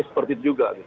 seperti itu juga